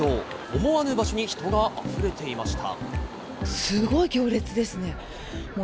思わぬ場所に人があふれていました。